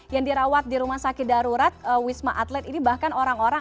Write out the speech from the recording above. yang dirawat di rumah sakit darurat wisma atlet ini bahkan orang orang